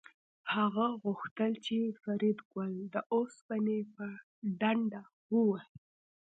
هغه غوښتل چې فریدګل د اوسپنې په ډنډه ووهي